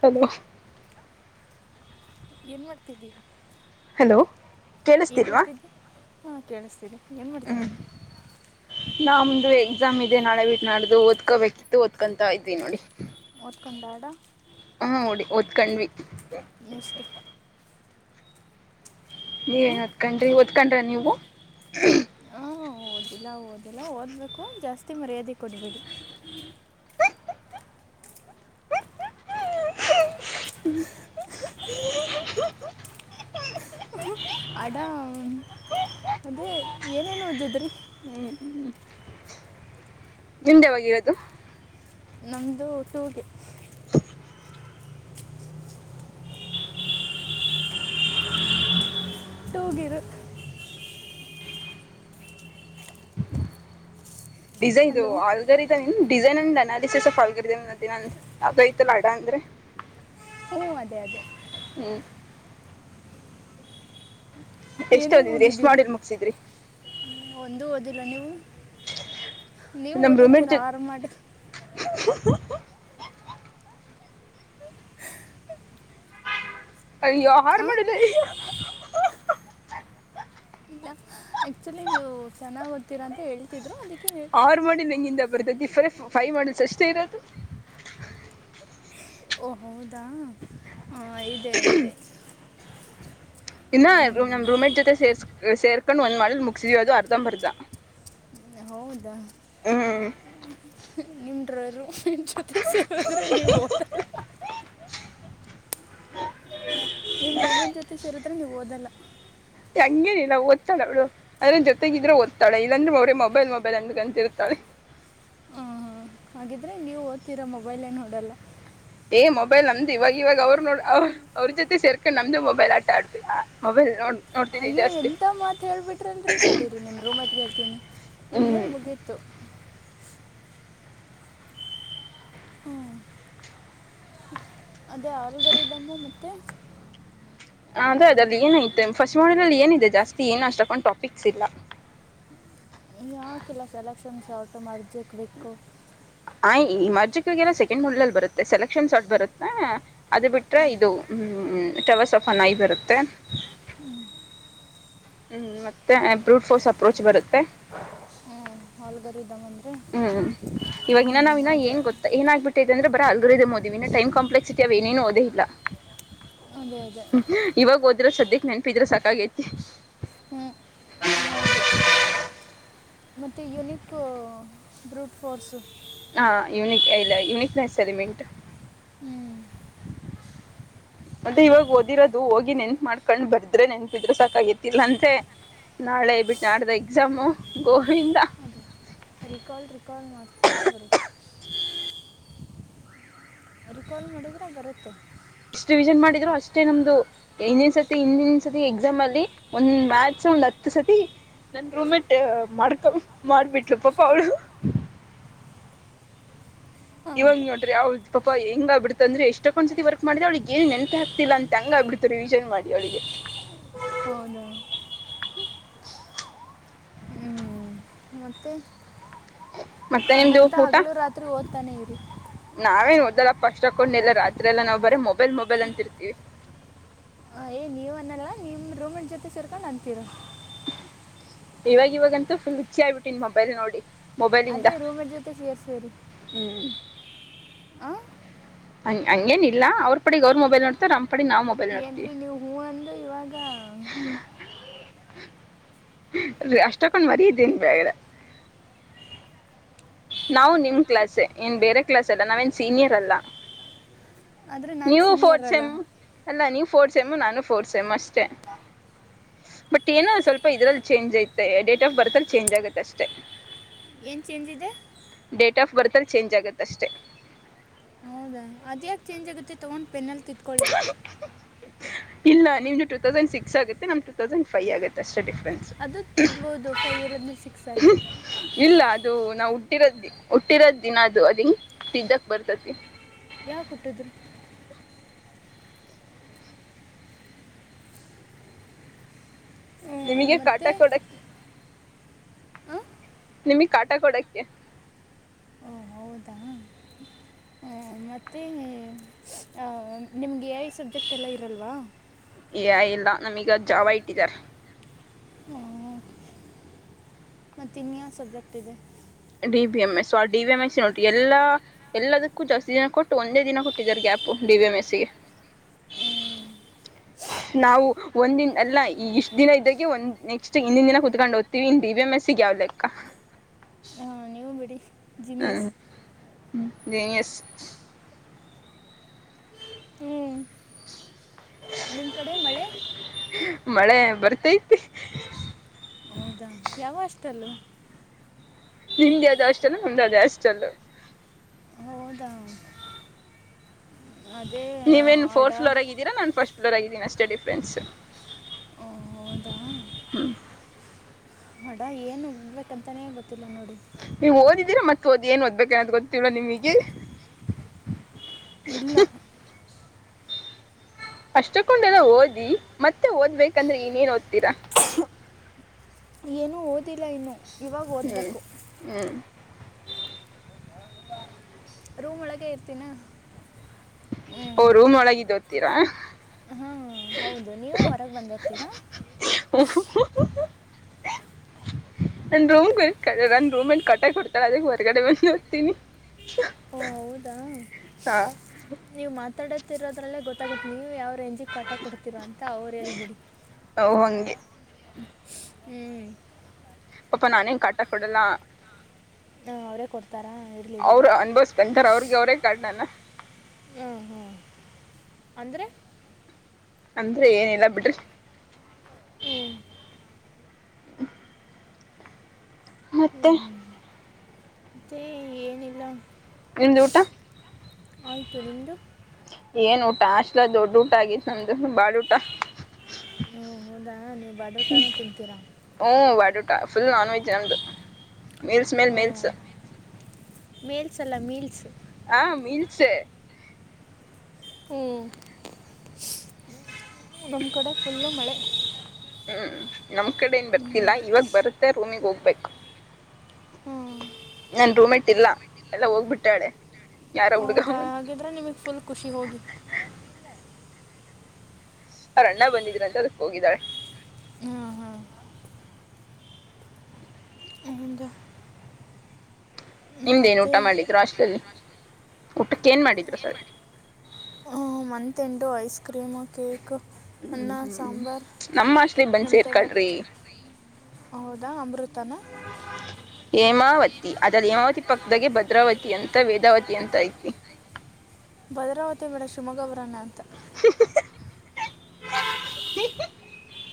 Hello ಏನ್ ಮಾಡ್ತಿದ್ದಿ hello ಏನ್ ಕೇಳಿಸ್ತಿಲ್ವಾ ಮಾಡ್ತಿದ್ದೆ ಹಾ ಕೇಳಿಸ್ತೀರಿ ಏನ್ ಹ್ಮ್ ಮಾಡ್ತಿದ್ದೆ. ನಮ್ದು ಎಕ್ಸಾಮ್ ಇದೆ ನಾಳೆ ಬಿಟ್ಟು ನಡ್ದು ಓದ್ಕೋಬೇಕಿತ್ತು ಓದ್ಕೊಂತ ಇದ್ವಿ ನೋಡಿ. ಮರ್ಕಂಡಡ ಒತ್ಕಣ್ವಿ ಎಷ್ಟತು ನೀ ಹ್ಞೂ ಏನ್ ಹೊತ್ಕೊಂಡ್ರಿ ಹೊತ್ಕೊಂಡ್ರ ನೀವು ಹಾಂ ಓದಿಲ್ಲ ಓದಿಲ್ಲ ಓದಬೇಕು ಜಾಸ್ತಿ ಮರ್ಯಾದೆ ಕೊಡಬೇಡಿ ಅಡಾ ಅದೇ ಏನೇನು ಹೊದಿದ್ರಿ ನಿಂದೆವರೋದು ನಮ್ಮದು ಟೂಗೆ ಟು ಬೀರು ಡಿಸೈನ್ ಇದು ಹಲೋ ಆಗ ಡಿಸೈನ್ ಅಂಡ್ ಅನಾಲಿಸ್ಫಲ್ಗ ಆೈತಲ್ಲ ಆಡ ಅಂದ್ರೆ ಹಓ ಅದೇ ಅದೇ ಹ್ಮ್ ಎಷ್ಟ್ ಏನೇನು ಓದಿದ್ರಿ ಎಷ್ಟ್ ಓದಿದ್ದೀರಾ ಮಾಡಲ್ ಮುಗಸಿದ್ರಿ ಒಂದು ಓದಿಲ್ಲ ನೀವು ನೀವು ನಮ್ ರೂಮೇಟ್ ಓದಿರ್ತೀರಾ ಜೊತೆ ಆರ್ ಮಡ್ [inaudible] ಅಯಯ್ಯೋ ಆರ್ ಹಾಂ ಮಾಡ್ಯೂಲ್ ಆಕ್ಚುಲಿ ನೀವು ಚೆನ್ನಾಗಿ ಓದತ್ತೀರಾ ಅಂತ ಹೇಳ್ತಿದ್ರು ಅದಕ್ಕೆ ಹೇಳ್ ಆರ್ ಮಾಡಲ್ ಹೆಂಗಿಂದ ಬರ್ತೈತಿ ಬರೇ ಫೈವ್ ಮಾಡಲ್ಸ್ ಅಷ್ಟೇ ಇರದು ಓ ಹೌದಾ ಹ ಐದೇ ಐದೇ ಇನ್ನ ನಮ್ ರೂಮೇಟ್ ಜೊತೆ ಸೇರ್ಸ್ ಸೇರ್ಕೊಂಡ್ ಒಂದ್ ಮಾಡಲ್ ಮುಗ್ಸಿದೀವಿ ಅದು ಅರ್ಧ ಬರ್ಧ ಹೌದಾ ಹ್ಮ್ ನಿಮ್ಮ ಜೊತೆ ಸೇರುದ್ರೆ ನೀವು ಓದಲ್ಲ ನಿಮ್ ರೂಮನ್ ಜೊತೆ ಸೇರಿದ್ರೆ ನೀವ್ ಓದಲ್ಲ ಹಂಗೇನಿಲ್ಲ ಓದತಾಳು ಅವ್ಳು ಆದ್ರೆ ಜೊತೆಗಿದ್ರೆ ಓದ್ತಾಳ ಇಲ್ಲಂದ್ರೆ ಬರೇ ಮೊಬೈಲ್ ಮೊಬೈಲ್ ಅಂದ್ ಅಂತಿತಾಳ [inaudible] ಹಾಗಿದರೆ ನೀವು ಓದ್ತಿರ ಮೊಬೈಲೇ ನೋಡೋಲ್ಲ ಏ್ ಮೊಬೈಲ್ ನಮ್ದು ಇವಾಗ ಇವಾಗ ಅವ್ರ ನೋಡ್ ಅವ್ರ ಅವ್ರ ಜೊತೆ ಸೇರ್ಕೊಂಡ್ ನಮ್ದು ಮೊಬೈಲ್ ಆಟ ಆಡ್ಬೇಕ ಮೊಬೈಲ್ ನೋ ಅಯ್ಯೋ ಎಂತ ಮಾತು ಹೇಳ್ಬಿಟ್ರಿ ಅಲ್ರೀ ತಡೀರಿ ನಿಮ್ಮ್ ರೂಂಮೇಟ್ ಗೆ ಹೇಳ್ತೀನಿ ಇನ್ಮೇಲೆ ಹ್ಮ್ ಮುಗೀತು ಹ್ಮ್ ಅದೇ ಆಲ್ಗೋರಿತಂ ಮತ್ತೆ ಅದೆ ಅದ ಅಲ್ಲಿ ಏನೈತೆ ಫಸ್ಟ್ ಮಾಡಲ್ ಅಲ್ಲಿ ಏನಿದೆ ಜಾಸ್ತಿ ಏನು ಅಷ್ಟಕ್ಕೊಂಡ್ ಟಾಪಿಕ್ಸ್ ಇಲ್ಲ ಯಾಕೆಲ್ಲ ಸೆಲೆಕ್ಷನ್ಸ್ ಹೌ ಟು [unintelligible] ಆ ಈ ಮರ್ಜಿಕಿಗೆಲ್ಲ ಸೆಕೆಂಡ್ ಮಾಡ್ಯೂಲ್ ಅಲ್ಲಿ ಬರುತ್ತೆ ಸೆಲೆಕ್ಷನ್ ಸಾರ್ಟ್ ಬರುತ್ತೆ ಅದು ಬಿಟ್ರೆ ಇದು [unintelligible] ಹ್ಮ್ ಹ್ಮ್ ಮತ್ತೆ ಬ್ರೂಟ್ ಫೋಸ್ ಅಪ್ರೋಚ್ ಬರುತ್ತೆ ಹ್ಞೂ ಆಲ್ಗರಿದಮ್ ಅಂದರೆ ಹ್ಮ್ ಇವಾಗ ಹ್ಞೂ ಇನ್ನ ನಾವ್ ಇನ್ನ ಅದೇ ಏನ್ ಗೊತ್ತಾ ಏನಾಗಗ್ಬಿಟ್ಟೈದೆ ಅಂದ್ರೆ ಅಲ್ಗೋರಿಥಮ್ ಓದಿನಿ ಇನ್ನ್ ಟೈಮ್ ಕಾಂಪ್ಲೆಕ್ಸಿಟಿ ಅವ ಏನೇನು ಓದೇ ಇಲ್ಲ ಅದೇ ಅದೇ ಇವಾಗ ಓದಬೇಕು ಇದ್ರ ಸದ್ಯಕ್ಕೆ ನೆನಪಿದ್ರೆ ಸಾಕಾಗೈತಿ ಹ್ಞೂ ಹೌದು ಮತ್ತು ಯುನಿಕ್ ಬ್ರೂಟ್ ಫೋರ್ಸು ಹಾ ಯೂನಿಕ್ ಇಲ್ಲ ಯುನಕ್ನೆಸ್ ಎಲಿಮೆಂಟ್ ಹ್ಮ್ ಮತ್ತೆ ಇವಾಗ ಓದಿರೋದು ಹೋಗಿ ನೆನ್ಪ ಮಾಡ್ಕೊಂಡ್ ಬರ್ದ್ರೆ ನೆನ್ಪಿದ್ರೆ ಸಾಕಾಗತಿಲ್ಲ ಇಲ್ಲ ಅಂದ್ರೆ ನಾಳೆಬಿಟ್ಟು ನಾಡ್ದ ಎಕ್ಸಾಮು ಗೋವಿಂದ ಅದೇ ರಿಕಾಲ್ ರಿಕಾಲ್ ಮಾಡಿದರೆ ಬರುತ್ತ ರಿಕಲ್ ಮಾಡಿದ್ರೆ ಬರುತ್ತೆ ಎಷ್ಟಟ್ ರಿವಿಷನ್ ಮಾಡಿದ್ರು ಅಷ್ಟೇ ನಮ್ದು ಇಂದನ್ ಸರ್ತಿ ಇಂದನ್ ಸತಿ ಎಕ್ಸಾಮ್ ಅಲ್ಲಿ ಒಂದ ಮ್ಯಾಥ ಒಂದು ಹತ್ತು ಸತಿ ನನ್ ರೂಮೇಟ್ ಮಾಡ್ಕೊ ಮಾಡ್ಬಿಟ್ಲು ಪಾಪ ಅವಳು ಹಾಂ ಇವಾಗ ನೋಡ್ರಿ ಅವಳದು ಪಪಾ ಹೆಂಗ್ಬ ಬಿಡ್ತಂದ್ರೆ ಎಷ್ಟಕ್ಕಂದ್ಸತಿ ವರ್ಕ್ ಮಾಡ್ದೆ ಅವಳಿಗ ಏನ್ ನೆನಪ್ ಹಾಕ್ತಿಲ್ಲ ಹಂಗ ಹಾಗ ರಿವಿಷನ್ ಮಾಡಿ ಅವಳಿಗೆ ಹೌದ ಮತ್ತೆ [inaudible] ನಿಮ್ದು ಹಂಗಂತ ಊಟ ಹಗ್ಲುೂ ರಾತ್ರಿ ಓದ್ತಾನೆ ಇರಿ ನಾವೇನ್ ಓದ್ದಲ್ಲಪ್ಪ ಅಷ್ಟೊಕೊಂದು ಎಲ್ಲ ರಾತ್ರಿ ಎಲ್ಲ ನಾವವು ಬರೀ ಮೊಬೈಲ್ ಮೊಬೈಲ್ ಅಂತಿರ್ತೀವಿ ಹ ಏ್ ನೀವ್ ಅನ್ನಲ್ಲ ನಿಮ್ಮ ರೂಮನ್ ಜೊತೆ ಸೇರ್ಕೊಂಡು ಅಂತೀರ ಇವಾಗ ಇವಾಗಂತೂ ಫುಲ್ ಹುಚ್ಚಿ ಆಗ್ಬಿಟ್ಟುನ್ ಮೊಬೈಲ್ ನೋಡಿ ಮೊಬೈಲಿಂದ ಅದೇ ರೂಮೇಟ್ ಜೊತೆ ಹ್ಞ ಹ ಹ ಹಂಗೇನ್ ಇಲ್ಲ ಅವ್ರ ಪಡೆಗ್ ಅವ್ರ ಮೊಬೈಲ್ ನೋಡ್ತಾರ ನಮ್ ಏನ್ರರಿ ನೀವು್ ಹೂ ಅಂದು ಇವಾಗ ಅಷ್ಟಕ್ಕೊಂಡ್ ಮರಿ ಇದ್ದೇನ್ ಬೇಡೆ ನಾವು ನಿಮ್ ಕ್ಲಾಸ್ ಏನ್ ಬೇರೆ ಕ್ಲಾಸ್ ಅಲ್ಲ ನಾವೇನ್ ಸೀನಿಯರ್ ಅಲ್ಲ ಆದರೆ ನಾನು ನೀವು ಸೀನಿಯರ್ ಫೋರ್ತ್ ಅಲ್ಲ ಸೇಮ್ಮು ಅಲ್ಲ ನೀವು ಫೋರ್ತ್ ಸೇಮ್ಮ್ಮು ನಾನು ಫೋರ್ತ್ ಸೆಮ್ ಅಷ್ಟೆ ಬಟ್ ಏನೋ ಸ್ವಲ್ಪ ಇದ್ರಲ್ಲಿ ಚೇಂಜ್ ಐತೆ ಡೇಟ್ ಆಫ್ ಬರ್ತ್ ಅಲ್ಲಿ ಚೇಂಜ್ ಆಗುತ್ತೆ ಅಷ್ಟೆ ಏನ್ ಚೇಂಜ್ ಇದೆ ಡೇಟ್ ಆಫ್ ಬರ್ತಲ್ಲಿ ಚೇಂಜ್ ಆಗುತ್ತೆಷ್ಟೆ ಅದ್ಯಾಕ ಚೇಂಜ್ ಆಗುತ್ತೆ ತಗೊಂಡ್ ಪೆನ್ನಲ್ ತಿಧ್ಕೋಳಿ ಇಲ್ಲ ನಿಮ್ದು ಟೂ ತೌಸಂಡ್ ಸಿಕ್ಸ್ ಆಗುತ್ತೆ ನಮ್ ಟೂ ತೌಸಂಡ್ ಫೈವ್ ಆಗುತ್ತೆ ಅಷ್ಟೇ ಡಿಫ್ರೆನ್ಸ್ ಅದು ತನ್ಬೋದು ಫೈ ಇರೋದು ಸಿಕ್ಸ್ ಆಗಿ ಇಲ್ಲ ಅದು ನಾವು ಹುಟ್ಟಿರೋದ ಹುಟ್ಟಿರೋದ ದಿನ ಅದು ಅದ ಹಿಂಗ್ ತಿದ್ದಕ್ ಬರ್ತತಿ ಯಾವ ಕೊಟ್ಟಿದ್ರು ಹ್ಮ್, ನಿಮಗೆ ಕಾಟ ಮತ್ತೆ ಕೊಡಕ್ಕೆ ಹಾಂ ನಿಮಗ್ ಕಾಟ ಕೊಡಕ್ಕೆ ಓ ಹೌದಾ ಹ್ಮ್, ಮತ್ತೆ ಎ ಐ ಸಬ್ಜೆಕ್ಟ್ ಎಲ್ಲ ಇರಲ್ವಾ ಏ ಐ ಇಲ್ಲಾ ನಮೀಗ ಅದು ಜಾವ ಇಟ್ಟಿದ್ದಾರೆ ಹ್ಮ ಮತ್ತೆ ಇನ್ಯನ್ ಸಬ್ಜೆಕ್ಟ್ ಇದೆ D B M S D V M S ನೋಟ್ರ ಎಲ್ಲ ಎಲ್ಲದಕ್ಕೂ ಜಾಸ್ತಿ ದಿನ ಕೊಟ್ಟು ಒಂದೇ ದಿನ ಕೊಟ್ಟಿದರೆ ಗ್ಯಾಪ್ ೆ ಮಿಸಿಗೆ ಹ್ಮ್, ನಾವು ಒಂದಿನ ಅಲ್ಲ ಇಷ್ಟು ದಿನ ಇದ್ದೆ ನಾವು ಒಂದು ದಿನ ಅಲ್ಲ ಇಷ್ಟು ದಿನ ಇದ್ದಂಗೆ ನೆಕ್ಸ್ಟ್ ಇಿಂದಿನ ದಿನ ಕೂತ್ಕೊಂಡು ಓದ್ೀವಿ ಇಡಿ ವಿ ಎಂ ಎಸ್ಸ ಯಾವ ಲೇಕ್ಕ್ಕ ಆ, ನೀವು ಬಿಡಿ ಜೀನಿಯಸ್ ಹ್ಮ ಜನಿಯಸ್ ಹ್ಞೂ ಕೀ ನಿಮ್ಮ ಕಡೆ ಮಳೆ ಮಳೆ ಬರ್ತೈತಿ ಹ ಯಾವ ಅಷ್ಟಲ್ಲೂ ನಿಮ್ದೇ ಯಾವ ಹಾಸ್ಟೆಲ್ ನಮ್ದು ಅದುೇ ಹಾಸ್ಟೆಲ್ ಹೌದಾ ಅದೇ ಆ, ನೀವೇನ್ ಅಡ ಫೋರ್ತ್ ಫ್ಲೋ ಆಗ ಇದೀರಾ ನಾನನ್ ಫಸ್ಟ್ ಎಲ್ಲಾಗೀನಿ ಅಷ್ಟೇ ಡಿಫ್ರೆನ್ಸ್ ಆ, ಹೌದಾ ಹ್ಮ್ ಅನ್ಬೇಕಂತಲೇ ಗೊತ್ತಿಲ್ಲ ನೋಡಿ ನೀವ್ ಓದಿದ್ದೀರಾ ಮತ್ತತ್ ಓದಿ ಏನ್ ಓದ್ಬೇಕ ಅಂತ ಗೊತ್ತಿಲ್ವಾ ನಿಮಗೆ ಇಲ್ಲ ಅಷ್ಟಕ್ಕೊಂಡೆಲ್ಲ ಓದಿ ಮತ್ತೆ ಓದ್ಬೇಕಂದ್ರೆ ಇನೇನ್ ಓದ್ತೀರಾ ಗೊತ್ತಿಲ್ಲ ಇನ್ನು ಇವಾಗ ಹ್ಮ್ ಓದಬೇಕು ಹ್ಮ್ ರೂಮ್ ಒಳಗ ಇರ್ತೀಿನ ಓ ರೂಮ್ ಒಳಗಿದ್ದ ಒತಿಎರಾ ಹಾ ಹೌದು ನೀವು ಹೊರಗೆ ಬಂದ ಹೋಗ್ತೀರಾ ಹಮ್ ಹಮ್ ನನ್ ರೂಮ್ ಕು ನ ರೂಮ್ ಕಾಟ ಕೊಡ್ತಾಳ ಅದಕೆ ಹೊರ್ಗಡೆ ಬಂದು ನೋಡ್ತೀನಿ ಓ ಹೌದಾ ನೀವು ಮಾತಾಡ ಗೊತ್ತಿರೋದ್ರಲ್ಲೇ ಗೊತ್ತಾಗುತ್ತೆ ನೀವು ಯಾವ ರೇಂಜಿಗೆ ಕಾಟ ಕೊಡ್ತಿೀರ ಅಂತ ಅವ್ರು ಹೇಳ್ಬಿಡಿ ಹ ಹಂಗೆ ಹ್ಮ್ ಅಪ ನಾನ್ ಎನ್ ಕಾಟ ಕೊಡಲ್ಲ ಅವರೇ ಕೊಡ್ತಾರ ಇರ್ಲಿ ಬಿಡಿ ಗೌರೇ ಕಾಟನ ಅಂದ್ರೆ ಅಂದ್ರೆ ಏನಿಲ್ಲ ಬಿಡ್ರಿ ಹ್ಞೂ ಷೂ ಮತ್ತೆ ಇಲ ನಿ್ದ ಊಟ ಆ್ತು ನಿಮದು ಏನ್ ಊಟ ಅಷ್ಟಲ ದೊಡ್ಡ ಊಟ ಆಗಿತ್ತು ನಮ್ದು ಬಾಳ ಊಟ ಓ ಹೌದಾ ನೀವು ಬಡಟನ್ನು ತಿಂತೀರಾ ಬಾಡೂಟ ಫುಲ್ ನಾನ್ವೆೆಜ್ ನಮದು ಮೀಲ್ಸ್ ಮೇಲೆ ಓ ಮೀಲ್ಸ್ ಮೇಲ್ಸ್ ಅಲ್ಲ ಮೀಲ್ಸ್ ಹಾ ಮೀನ್ಸ ಹ್ಮ್ ಮಕಡೆಫುಲ್ೂ ಮಾಡಳೆ ಹ್ಮ್ ನಮ್ ಕಡೆ ಏನ್ ಬರ್ತಿಲ್ಲ ಇವಾಗ ಬರುತ್ತೆ ರೂಮಿಗ್ ಹೋಗ್ಬೇಕು ಹ್ಞೂ ನನ್ ರೂಮ್ೆಟ್ ಇಲ್ಲ ಎಲ್ಲ ಹೋಗ್ಬಿಟ್ಟಾಳೆ ಯಾರ ಹುಡ್ಗ ಹೌದಾ ಬಂದ್ ಹಾಗಿದ್ರೆ ನಿಮಗೆ ಫುಲ್ ಖುಷಿ ಹೋಗಿ ಅವ್ರ ಅಣ್ಣ ಬಂದಿದ್ರ ಅಂತ ಅದಕ್ ಹೋಗಿದಾಳ ಹಾಂ ಹಾಂ ಹೌದಾ ನಿಮ್ದೇನ್ ಮತ್ತು ಊಟ ಮಾಡಿದ್ರು ಅಷ್ಟಲಲ್ಲಿ ಊಟಕ್ಕೆ ಏನ್ ಮಾಡಿದ್ರು ಸರಿ month end ice cream cake ಹ್ಮ್ ಹ್ಮ್ ನಮ್ಮ ಅಷ್ಟಲಿ ಬಂದ್ ಮೆಂತೆ ಬಾತ್ ಸೇರ್ಕಳ್ರಿ ಹೌದಾ ಅಮೃತಾನ ಹೇಮಾವತಿ ಅದಲ್ಲಿ ಹೇಮಾವತಿ ಪಕ್ಕದಾಗ ಭದ್ರಾವತಿ ಅಂತ ವೇದಾವತಿ ಅಂತ ಐತಿ ಭದ್ರಾವತಿ ಮೇಡಮ ಶಿವಮೊಗ್ಗಬರಾನ ಅಂತ [unintelligible]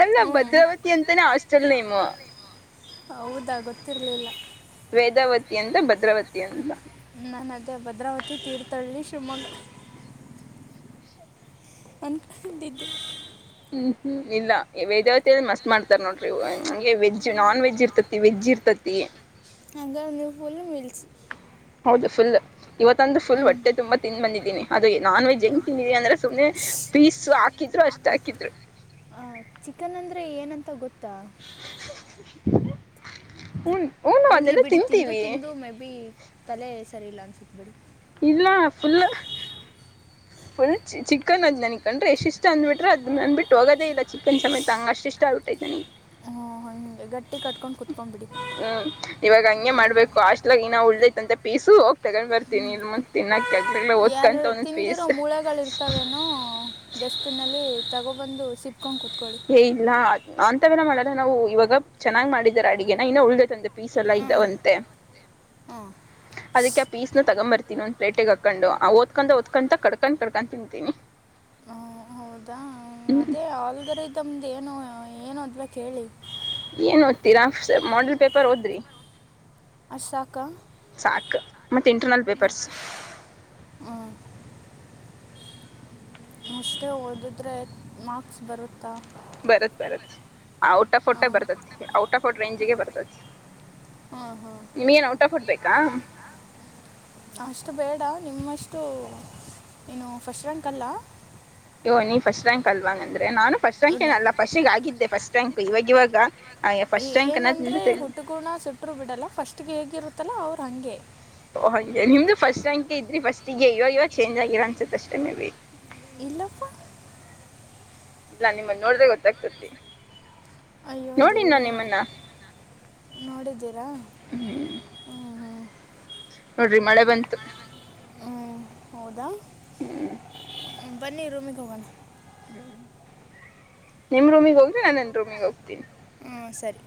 ಅಲ್ಲ ಹ್ಞೂ ಭದ್ರಾವತಿ ಅಂತಾನೇ ಹಾಸ್ಟೆಲ್ ನಿಮ್ ಹೌದಾ ಗೊತ್ತಿರಲಿಲ್ಲ ವೇದಾವತಿ ಅಂತ ಭದ್ರಾವತಿ ಅಂತ ನಾನು ಅದೇ ಭದ್ರಾವತಿ ತೀರ್ಥಹಳ್ಳಿ ಶಿವಮೊಗ್ಗ ಅಕ ದಿದ್ದಿ ಹ್ಮ್ ಹ್ಮ್ ಇಲ್ಲ ವೇದಾವತಿಯ ಮಸ್ತ್ ಮಾಡ್ತಾರ್ ನೋಡ್ರಿ ಹಂಗೆ ವೆಜ್ ನಾನ್ ವೆಜ್ ಇರ್ತತಿ ವೆಜ್ ಇರ್ತಿ ಪ್ಪತಿ ಹಂಗ ನೀವು ಪೂಲ್ಲ ಮೀಲ್ಚಿ ಹೌದು ಫುಲ್ ಇವತ್ತಂದ ಫುಲ್ ಹೊಟ್ಟೆ ತುಂಬಾ ತಿನ್ ಬಂದಿದ್ದೀನಿ ಅದು ನಾನ್ ವೆಜ್ ಹೆಂಗ್ ತಿಿಂದೀಿ ಅಂದ್ರೆ ಸುಮ್ಮನೆ ಪೀಸ್ ಹಾಕಿದ್ರು ಅಷ್ಟ ಹಾಕಿದ್ರು. ಆ ಚಿಕನ್ ಅಂದ್ರೆ ಏನಂತ ಗೊತ್ತಾ? [unintelligible] ಇರ್ಲಿ ಅದನ್ನೆಲ್ಲ ಬಿಡಿ ತಿಂದು ತಿಂತೀವಿ ತಿಂದು ಮೇ ಬಿ ತಲೆ ಸರಿ ಇಲ್ಲ ಅನ್ಸತ್ ಬಿಡಿ. ಇಲ್ಲ ಫುಲ್ ಫುಲ್ ಚಿಕನ್ ಅದು ನನ್ ಕಂಡ್ರೆ ಎಷ್ಟಿಷ್ಟ ಅಂದ್ಬಿಟ್ರೆ ಅದು ನಂದನ್ಬಿಟ್ಟು ಹೋಗದೇ ಇಲ್ಲ ಚಿಕನ್ ಸಮೇತ ಹಂಗೆ ಅಷ್ಟ ಇಷ್ಟ. [unintelligible] ಹ್ಞೂ ಹಂಗೆ ಗಟ್ಟಿ ಕಟ್ಕೊಂಡು ಕುಂತಿ ಹ್ಮ್ ಇವಾಗ ಹಂಗೆ ಮಾಡ್ಬೇಕು ಆಶೆ ಇ ಇ ಉಳ್ಳ್ದೈಐ ಅಂತ ಪೀಸು ಹೋಗಿ ತಗೊಂಡ್ ಬರ್ತಿನಿ ಇ ಮುಂದ ತಿನ್ನಕ್ ಯಾರ ತಿಂದಿರೋ ಮೂಳೆಗಳು ಇರ್ತಾವೇನೋ ಡಸ್ಟ್ಬಿನ್ಲ್ಲಿ ತಗೋಬಂದು ಸಿಪ್ಪ ಹೇ ಇಲ್ಲಾ ಹಿಂತವೆಲ್ಲಾ ಮಾಡಲ್ಲ ನಾವು ಇವಾಗ ಚೆನ್ನಾಗಿ ಮಾಡಿದಾರ ಅಡಿಗೆನ ಇನ್ನ ಉಳದೇತ್ ಅಂತೆ ಪೀಸ್ ಎಲ್ಲ ಹ್ಮ್. ಇದಾವಂತೆ [unintelligible] ಹ್ಮ್. ಅದಕ್ಕೆ ಆ ಪೀಸ್ನ ತೊಗೊಂಡ ಬರ್ತೀನಿ ಒಂದ ಪ್ಲೇಟ್ಗೆ ಹಾಕೊಂಡು ಆ ಓದಕೊಂತಾ ಓದಕಂತಾ ಕಡ್ಕೊಂಡ್ ಕಡ್ಕೊಂಡ ತಿಂತೀನಿ. ಹ ಹೌದಾ ಹ್ಞೂ ಅದೇ ಆಲ್ಗೋರಿಥಮ್ ಏನು ಏನ ಓದಬೇಕ. ಏನ್ ಓದ್ತೀರಾ ಮಾಡಲ್ ಪೇಪರ್ ಓದ್ರಿ. ಅಸಕ ಮ ಇಂನೇ ಹ್ಞೂ ಅಷ್ಟೇ ಓದಿದ್ರೆ ಮಾರ್ಕ್ಸ್ ಬರುತ್ತಾ ಬರತ್ ಬರತ್ ಔಟ್ ಆಫ್ ಫೋರ್ಟ ಹಾಂ ಬರ್ತತಿ ಔಟ್ ಆಫ್ ಫೋರ್ಟ್ ರೇಂಜಿಗೆ ಬರ್ತತಿ ಹಾಂ ಹಾಂ ನಿಮ್ಗಏನ್ ಊಟ ಕೊಡ್ಬೇಕಾ ಅಷ್ಟು ಬೇಡ ನಿಮ್ಮಷ್ಟು ಏನು ಫಸ್ಟ್ ರ್ಯಾಂಕ್ ಅಲ್ಲ ವ ನೀ ಸ್ಟ್ ರ್ಯಾಂಕ್ ಅಲ್ವಾಂಗ ಅಂದ್ರೆ ನಾನ ಸ್ಟ್ ಇಲ್ಲ ರ್ಯಾಂಕೇನಲ್ಲ ಸ್ಿಗೆ ಆಗಿದ್ದೆ ಫಸ್ಟ್ ರ್ಯಾಂಕ್ ಇವಾಗ ಇವಾಗ ಫಸ್ಟ್ ರ್ಯಾಂಕ್ ಏನಂದ್ರೆ ಅನ್ನೋದಿಂದ ಹುಟ್ಗುಣ ಸುಟ್ರು ಬಿಡಲ್ಲ ಫಸ್ಟ್ ಹೇಗಿರುತ್ತಲ್ಲ ಅವ್ರ ಹಂಗೆ ಓ್ ಹಾಗಂ ನಿಮ್ದು ಫಸ್ಟ್ ರ್ಯಾಂಗೆ ಇದ್ರಿ ಫಸ್ಟಿಗೆ ಇವಾಗ ಇವ ಚೇಂಜ್ ಆಗಿರ ಅನ್ಸುತ್ತ ಅಷ್ಟೇ ಇಲ್ಲಪ್ಪ ಇಲ್ಲ ನಿಮ್ಮನ್ನ ನೋಡ್ರೆ ಗೊತ್ತಾಗ್ತತಿ ಅಯ್ಯೋ ನೋಡಿ ದೇವರೇ ನಾನು ನಿಮ್ಮನ್ನ ನೋಡಿದ್ದೀರಾ ಹ್ಞೂ ಹ್ಞೂ ನೋಡ್ರಿ ಮಳೆ ಬಂತು ಹ್ಞೂ ಹೌದಾ ಹ್ಮ್ ಬನ್ನಿ ರೂಮಿಗೆ ಹೋಗೋಣ ಹ್ಮ ನಿಮ್ ರೂಮಿಗ್ ಹೋಗ್ರಿ ನಾನನ್ ರೂಮಿಗ್ ಹೋಗ್ತೀನಿ ಹ್ಞೂ ಸರಿ